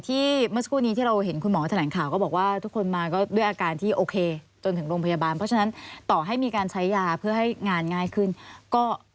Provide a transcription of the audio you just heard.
เมื่อสักครู่นี้ที่เราเห็นคุณหมอแถลงข่าวก็บอกว่าทุกคนมาก็ด้วยอาการที่โอเคจนถึงโรงพยาบาลเพราะฉะนั้นต่อให้มีการใช้ยาเพื่อให้งานง่ายขึ้นก็